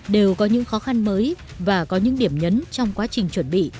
đều có những khó khăn mới và có những điểm nhấn trong quá trình chuẩn bị